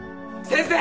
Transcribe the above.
先生。